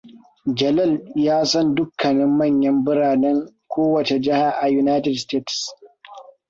Jalal ya san dukkanin manyan biraneb ko wace jiha a United States.